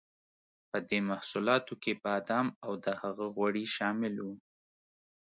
په دې محصولاتو کې بادام او د هغه غوړي شامل وو.